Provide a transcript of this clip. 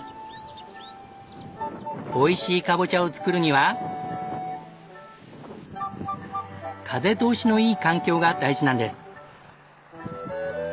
おいしいカボチャを作るには風通しのいい環境が大事なんです。